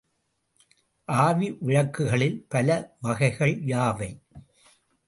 ஆவி விளக்குகளின் பல வகைகள் யாவை?